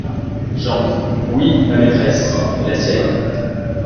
Jean. — Oui, ma maîtresse… et la sienne.